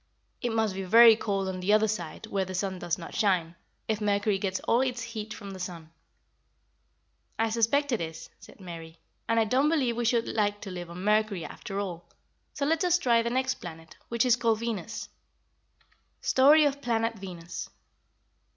It must be very cold on the other side, where the sun does not shine, if Mercury gets all its heat from the sun." "I suspect it is," said Mary, "and I don't believe we should like to live on Mercury, after all; so let us try the next planet, which is called Venus." STORY OF PLANET VENUS.